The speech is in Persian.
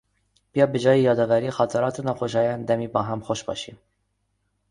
بیا به جای یادآوری خاطرات ناخوشایند گذشته دمی با هم خوش باشیم.